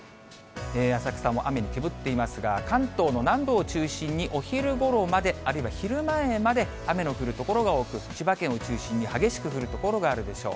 浅草も雨にけぶっていますが、関東の南部を中心に、お昼ごろまで、あるいは昼前まで雨の降る所が多く、千葉県を中心に激しく降る所があるでしょう。